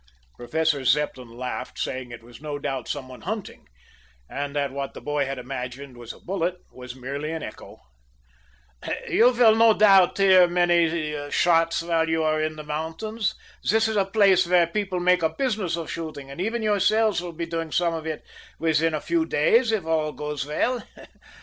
Professor Zepplin laughed, saying it was no doubt some one hunting, and that what the boy had imagined was a bullet was merely an echo. "You no doubt will hear many shots while you are in the mountains. This is a place where people make a business of shooting, and even yourselves will be doing some of it within a few days, if all goes well.